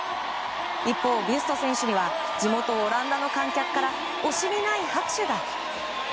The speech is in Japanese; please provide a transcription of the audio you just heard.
一方、ビュスト選手には地元オランダの観客から惜しみない拍手が。